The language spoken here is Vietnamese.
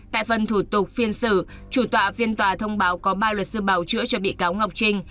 tại phần thủ tục phiên xử chủ tọa phiên tòa thông báo có ba luật sư bảo chữa cho bị cáo ngọc trinh